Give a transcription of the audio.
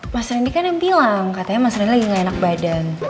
mas rendy kan yang bilang katanya mas randy lagi gak enak badan